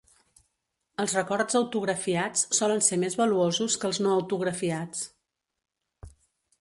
Els records autografiats solen ser més valuosos que els no autografiats.